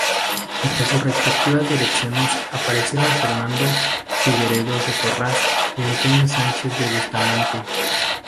Entre sus respectivas direcciones aparecieron Fernando Figueredo Socarrás y Antonio Sánchez de Bustamante.